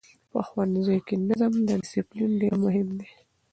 په ښوونځیو کې نظم او ډسپلین ډېر مهم دی.